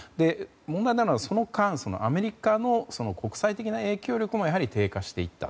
問題なのはその間、アメリカの国際的な影響力も低下していった。